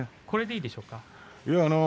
これでいいでしょうか。